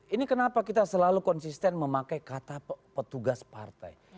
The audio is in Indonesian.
ini kenapa kita selalu konsisten memakai kata petugas partai